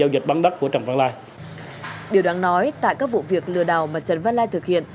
điều đáng nói tại các vụ việc lừa đảo mà trần văn lai thực hiện